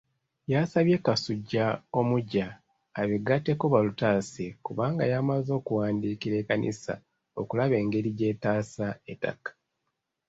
Yasabye Kasujja omuggya abeegatteko balutaase kubanga yamaze okuwandiikira ekkanisa okulaba engeri gy'etaasa ettaka.